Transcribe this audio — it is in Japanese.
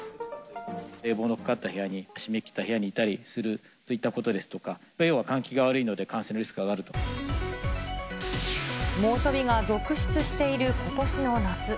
冷房のかかった部屋に、締め切った部屋にいたりするといったことですとか、換気が悪いの猛暑日が続出していることしの夏。